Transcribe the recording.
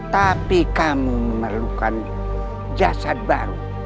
tapi kamu memerlukan jasad baru